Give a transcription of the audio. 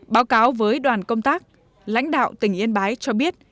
báo cáo với đoàn công tác lãnh đạo tỉnh yên bái cho biết